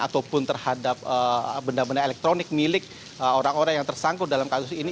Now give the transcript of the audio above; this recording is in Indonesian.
ataupun terhadap benda benda elektronik milik orang orang yang tersangkut dalam kasus ini